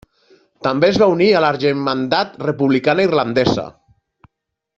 També es va unir a la Germandat Republicana Irlandesa.